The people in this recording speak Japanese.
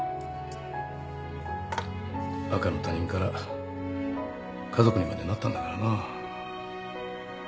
赤の他人から家族にまでなったんだからな。